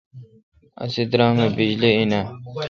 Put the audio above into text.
تسے°دراماے° بجلی این آں،؟